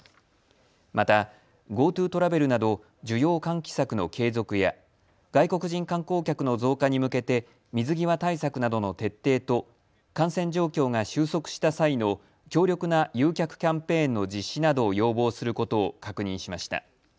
またＧｏＴｏトラベルなど需要喚起策の継続や外国人観光客の増加に向けて水際対策などの徹底と感染状況が収束した際の強力な誘客キャンペーンの実施などを要望することを確認しました。